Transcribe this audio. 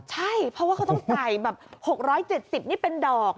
ใช่เพราะว่าเขาต้องใส่แบบ๖๗๐นี่เป็นดอก